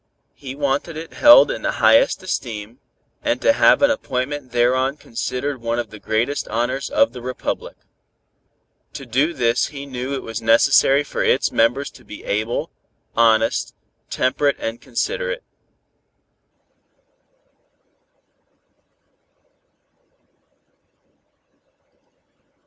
He wanted it held in the highest esteem, and to have an appointment thereon considered one of the greatest honors of the Republic. To do this he knew it was necessary for its members to be able, honest, temperate and considerate.